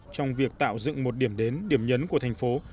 trong việc tạo dựng một điểm đến điểm nhấn của thành phố